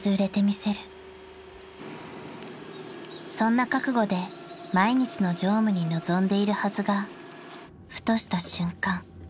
［そんな覚悟で毎日の乗務に臨んでいるはずがふとした瞬間